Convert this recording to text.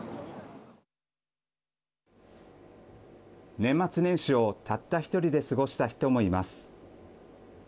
年末年始をたった１人で過ごした人もいます。